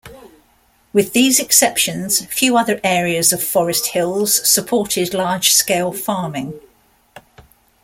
With these exceptions, few other areas of Forest Hills supported large-scale farming.